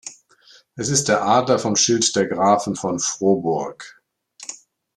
Es ist der Adler vom Schild der Grafen von Frohburg.